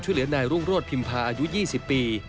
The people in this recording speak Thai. ช่วยเหลือนายรุ่งโรธพิมพาอายุ๒๐ปี